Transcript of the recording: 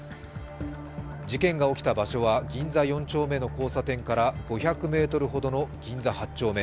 事件が起きた場所は銀座４丁目の黄砂園から５００ｍほどの銀座８丁目。